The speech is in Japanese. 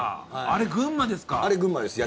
あれ群馬です。